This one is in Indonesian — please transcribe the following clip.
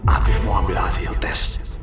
habis mau ambil hasil tes